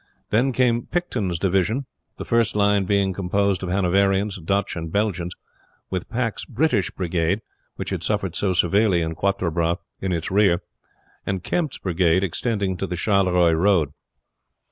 Then came Picton's division, the first line being composed of Hanoverians, Dutch, and Belgians, with Pack's British brigade, which had suffered so severely in Quatre Bras, in its rear, and Kempt's brigade extending to the Charleroi road.